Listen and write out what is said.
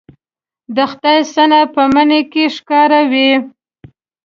د خدای صنع په مني کې ښکاره وي